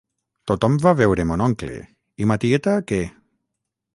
Tothom va a veure mon oncle, i ma tieta què?